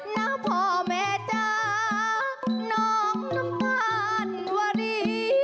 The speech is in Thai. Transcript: นะพ่อแม่จ้าน้องน้ำตาลวรี